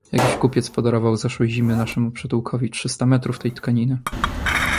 Jakiś kupiec podarował zeszłej zimy naszemu przytułkowi trzysta metrów tej tkaniny.